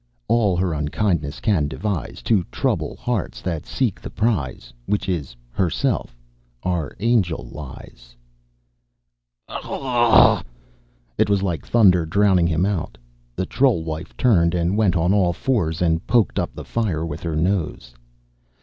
All her unkindness can devise To trouble hearts that seek the prize Which is herself, are angel lies _" "Aaaarrrgh!" It was like thunder drowning him out. The troll wife turned and went on all fours and poked up the fire with her nose.